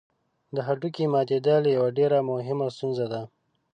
د هډوکي ماتېدل یوه ډېره مهمه ستونزه ده.